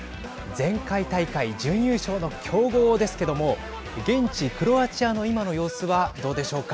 前回大会準優勝の強豪ですけども現地クロアチアの今の様子はどうでしょうか。